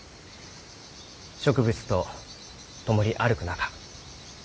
植物と共に歩く中